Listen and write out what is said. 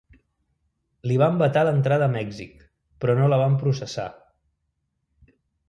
Li van vetar l'entrada a Mèxic, però no la van processar.